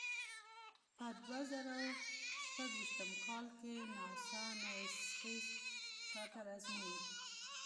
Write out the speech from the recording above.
په دوه زره او شپږ ویشتم کال کې ناسا نوې سپېس شاتل ازموي.